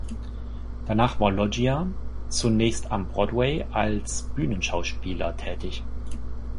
Danach war Loggia zunächst am Broadway als Bühnenschauspieler tätig.